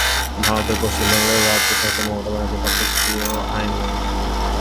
ভারতের পশ্চিম বাংলার রাজ্য সরকার মমতা ব্যানার্জির পক্ষে একটিও আইন নাই।